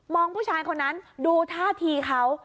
ผู้ชายคนนั้นดูท่าทีเขา